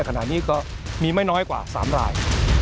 แต่ขนาดนี้ก็มีไม่น้อยกว่า๓ราย